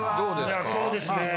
そうですねぇ。